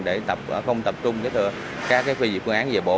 để không tập trung các phê duyệt phương án về bộ